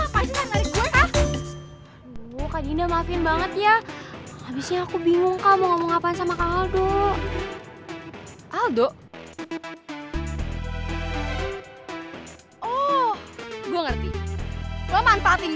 pasti kak dinda belum baik baik ya sama kamu dan sama kak evelyn